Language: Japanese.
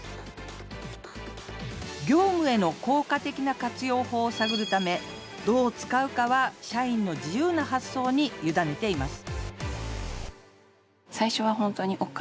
業務への効果的な活用法を探るためどう使うかは社員の自由な発想に委ねています